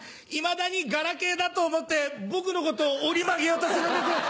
いまだにガラケーだと思って僕のことを折り曲げようとするんです。